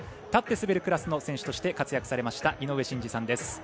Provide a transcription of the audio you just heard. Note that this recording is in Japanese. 立って滑るクラスの選手として活躍されました井上真司さんです。